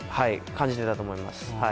感じていたと思います。